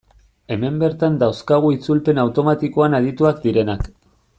Hemen bertan dauzkagu itzulpen automatikoan adituak direnak.